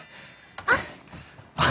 あっ！